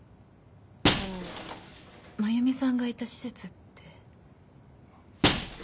その真弓さんがいた施設って。